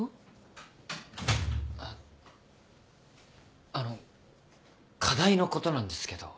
あっあの課題のことなんですけど。